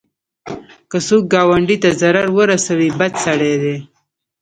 که څوک ګاونډي ته ضرر ورسوي، بد سړی دی